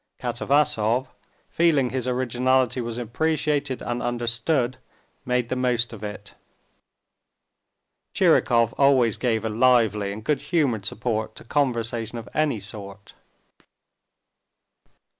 Katavasov, feeling his originality was appreciated and understood, made the most of it. Tchirikov always gave a lively and good humored support to conversation of any sort.